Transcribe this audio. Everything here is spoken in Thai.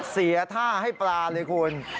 เสียท่าให้ปลาเลยคุณ